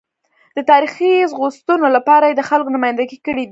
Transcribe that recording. د تاریخي خوځښتونو لپاره یې د خلکو نمایندګي کړې ده.